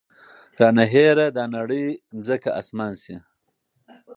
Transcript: رانه هېره دا نړۍ ځمکه اسمان شي